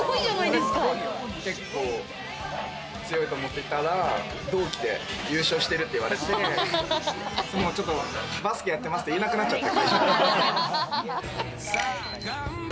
結構強いと思ってたら、同期で優勝してるって言われてバスケやってますって言えなくなっちゃって。